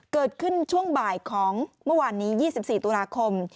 เกิดขึ้นช่วงบ่ายของเมื่อวานนี้๒๔ตุลาคม